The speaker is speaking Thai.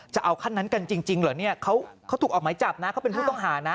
จะเอาขั้นนั้นกันจริงเหรอเนี่ยเขาถูกออกหมายจับนะเขาเป็นผู้ต้องหานะ